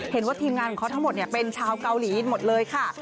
เห็นว่าทีมงานของเขาทั้งหมดเป็นชาวเกาหลีหมดเลยค่ะ